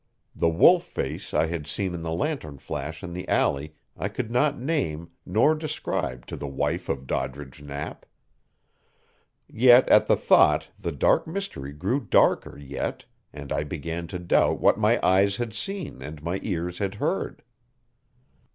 The wolf face I had seen in the lantern flash in the alley I could not name nor describe to the wife of Doddridge Knapp. Yet at the thought the dark mystery grew darker, yet, and I began to doubt what my eyes had seen, and my ears had heard. Mrs.